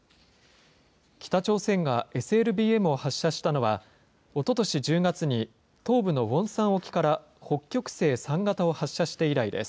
北朝鮮がＳＬＢＭを発射したのは、おととし１０月に、東部のウォンサン沖から北極星３型を発射して以来です。